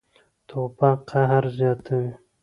توپک قهر زیاتوي.